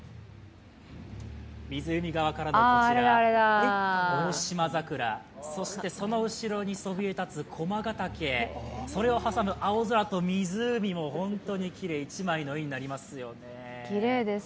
湖側から、こちらそれで、オオシマザクラそしてその後ろにそびえ立つ駒ヶ岳、湖の、本当のきれい、一枚の絵になりますよね。